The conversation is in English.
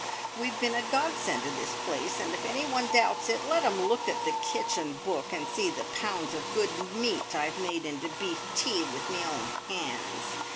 We've been a godsend to this place, and if anyone doubts it, let 'em look at the kitchen book, and see the pounds of good meat I've made into beef tea with me own hands.